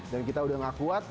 dan kita udah ngakuat